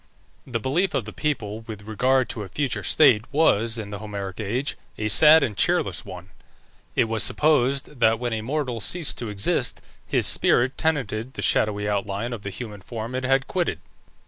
The belief of the people with regard to a future state was, in the Homeric age, a sad and cheerless one. It was supposed that when a mortal ceased to exist, his spirit tenanted the shadowy outline of the human form it had quitted.